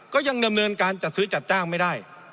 ก็ยังดำเนินการจัดซื้อจัดจ้างไม่ได้